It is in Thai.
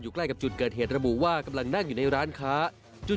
ใกล้กับจุดเกิดเหตุระบุว่ากำลังนั่งอยู่ในร้านค้า